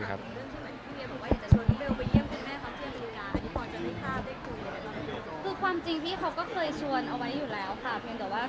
แสวได้ไงของเราก็เชียนนักอยู่ค่ะเป็นผู้ร่วมงานที่ดีมาก